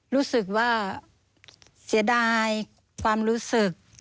รู้สึกว่าเสียดายความรู้สึก